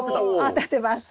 当たってます。